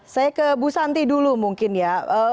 saya ke bu santi dulu mungkin ya